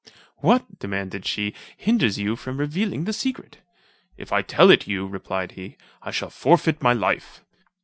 "What," demanded she "hinders you from revealing the secret?" "If I tell it you," replied he, "I shall forfeit my life."